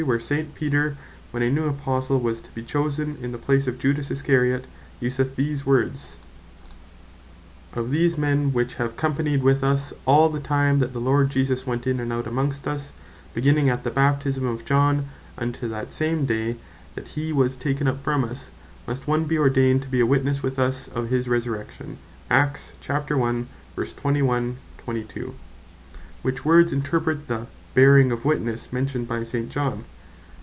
where St Peter, when a new Apostle was to be chosen in the place of Judas Iscariot, useth these words, "Of these men which have companied with us all the time that the Lord Jesus went in and out amongst us, beginning at the Baptisme of John, unto that same day that hee was taken up from us, must one bee ordained to be a Witnesse with us of his Resurrection:" which words interpret the Bearing of Witnesse, mentioned by St. John.